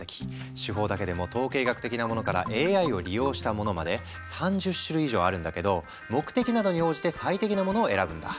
手法だけでも統計学的なものからＡＩを利用したものまで３０種類以上あるんだけど目的などに応じて最適なものを選ぶんだ。